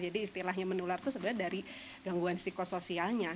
jadi istilahnya menular itu sebenarnya dari gangguan psikososialnya